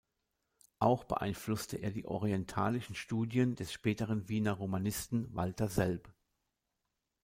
Auch beeinflusste er die orientalistischen Studien des späteren Wiener Romanisten Walter Selb.